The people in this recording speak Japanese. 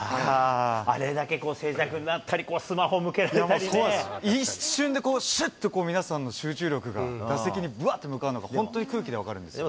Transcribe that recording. あれだけ静寂になったり、一瞬でしゅっとこう、皆さんの集中力が、打席にぶわって向かうのが本当に空気で分かるんですよ。